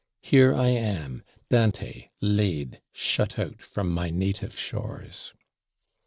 "Here am I, Dante, laid, shut out from my native shores."